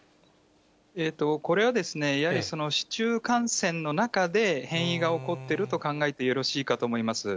これはですね、やはり市中感染の中で、変異が起こっていると考えてよろしいかと思います。